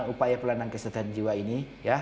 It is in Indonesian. upaya pelayanan kesehatan jiwa ini